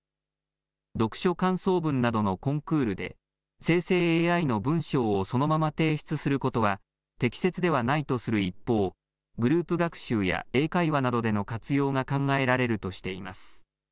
読書感想文などのコンクールで、生成ＡＩの文章をそのまま提出することは適切ではないとする一方、グループ学習や英会話などでの活用が考えられるとしています。